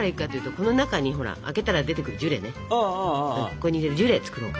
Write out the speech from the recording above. ここに入れるジュレ作ろうか。